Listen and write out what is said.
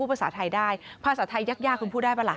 ภาษาไทยได้ภาษาไทยยากคุณพูดได้ป่ะล่ะ